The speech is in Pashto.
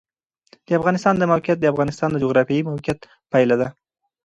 د افغانستان د موقعیت د افغانستان د جغرافیایي موقیعت پایله ده.